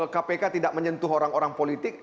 kpk tidak menyentuh orang orang politik